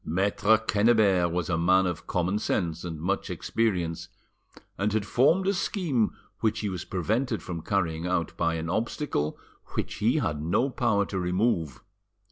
Maitre Quennebert was a man of common sense and much experience, and had formed a scheme which he was prevented from carrying out by an obstacle which he had no power to remove.